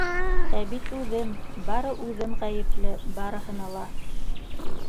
Ә бит үҙем, бары үҙем ғәйепле барыһына ла!..